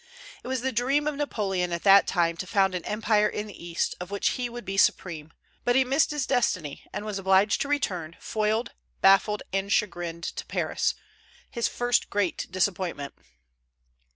It was the dream of Napoleon at that time to found an empire in the East, of which he would be supreme; but he missed his destiny, and was obliged to return, foiled, baffled, and chagrined, to Paris; his first great disappointment.